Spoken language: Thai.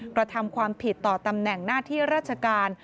กระทำความผิดต่อตำแหน่งหน้าที่ราชการ